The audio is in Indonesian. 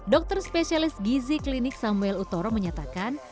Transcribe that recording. dokter spesialis gizi klinik samuel utoro menyatakan